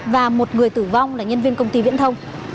và một người tử vong là nhân viên công ty viễn thông